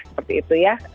seperti itu ya